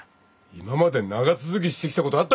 今まで長続きしてきたことあったか。